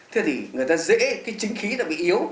thế thì người ta dễ cái chính khí nó bị yếu